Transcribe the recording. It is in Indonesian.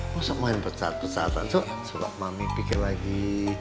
masa main pecat pecatan soh supaya mamih pikir lagi